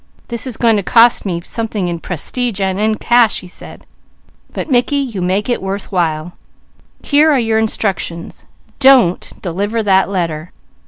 "This is going to cost me something in prestige and in cash," he said, "but Mickey, you make it worthwhile. Here are your instructions: don't deliver that letter!